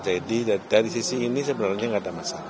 jadi dari sisi ini sebenarnya tidak ada masalah